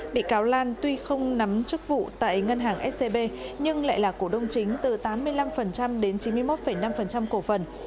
bị cáo lan tuy không nắm chức vụ tại ngân hàng scb nhưng lại là cổ đông chính từ tám mươi năm đến chín mươi một năm cổ phần